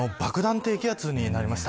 低気圧になります。